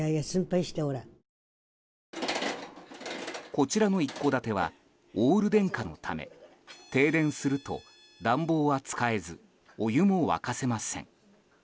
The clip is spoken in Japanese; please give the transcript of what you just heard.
こちらの一戸建てはオール電化のため停電すると、暖房は使えずお湯も沸かせません。